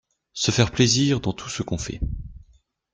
Se faire plaisir dans tout ce qu'on fait